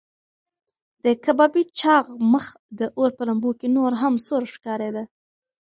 د کبابي چاغ مخ د اور په لمبو کې نور هم سور ښکارېده.